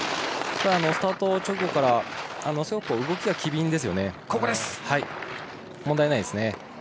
ただスタート直後からすごく動きが機敏ですよね。